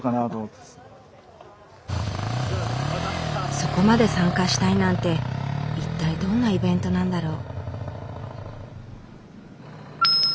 そこまで参加したいなんて一体どんなイベントなんだろう？